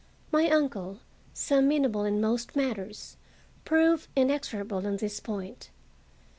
My uncle, so amenable in most matters, proved Inexorable on this point.